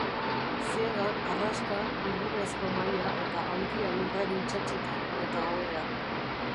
Ziegan, harraska, burdinazko mahaia eta aulkia lurrari itsatsita, eta ohea.